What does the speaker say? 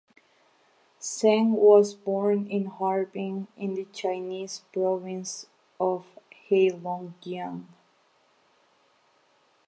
Zeng was born in Harbin in the Chinese province of Heilongjiang.